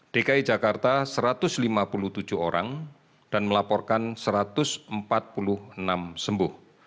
dki jakarta satu ratus lima puluh tujuh orang dan melaporkan satu ratus empat puluh enam sembuh